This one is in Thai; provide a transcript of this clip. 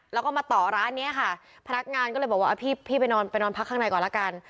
แล้วก็มาต่อร้านนี้ค่ะพนักงานก็เลยบอกว่าพี่ไปนอนไปนอนพักข้างในก่อนละกัน